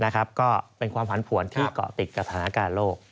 ก็เป็นความผันผวนที่เกาะติดสถานการณ์โลก